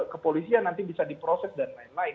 ke polisi yang nanti bisa diproses dan lain lain